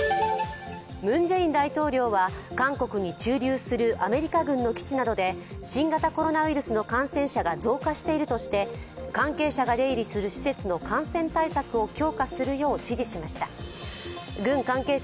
ムン・ジェイン大統領は韓国に駐留するアメリカ軍の基地などで新型コロナウイルスの感染者が増加しているとして関係者が出入りする施設の感染対策を